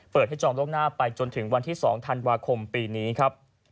เปิดให้จอมโลกหน้าไปจนถึงวันที่สองธันวาคมปีนี้ครับ